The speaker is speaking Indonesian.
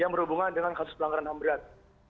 yang berhubungan dengan kasus pelanggaran hamberat